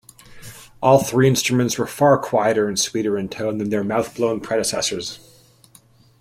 All three instruments were far quieter and sweeter in tone than their mouth-blown predecessors.